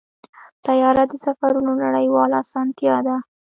طیاره د سفرونو نړیواله اسانتیا ده.